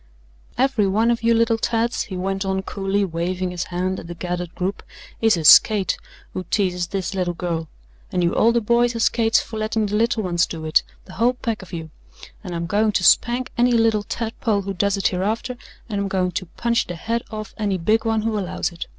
"Every one of you little tads," he went on coolly, waving his hand at the gathered group, "is a skate who teases this little girl. And you older boys are skates for letting the little ones do it, the whole pack of you and I'm going to spank any little tadpole who does it hereafter, and I'm going to punch the head off any big one who allows it.